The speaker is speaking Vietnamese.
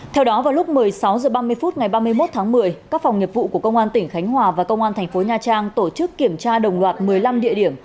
theo đó vào lúc một mươi sáu h ba mươi phút ngày ba mươi một tháng một mươi các phòng nghiệp vụ của công an tỉnh khánh hòa và công an thành phố nha trang tổ chức kiểm tra đồng loạt một mươi năm địa điểm